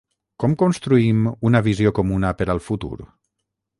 Com construïm una visió comuna per al futur?